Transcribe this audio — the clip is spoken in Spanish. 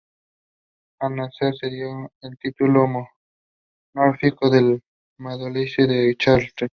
Al nacer, se le dio el título honorífico de "Mademoiselle de Chartres".